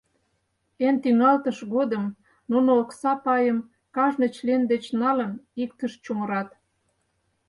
Эн тӱҥалтыш годым нуно окса пайым, кажне член деч налын, иктыш чумырат.